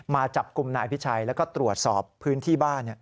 มาจับกลุ่มนายอภิชัยแล้วก็ตรวจสอบพื้นที่บ้าน